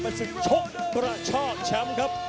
เป็นศึกชกกระชากแชมป์ครับ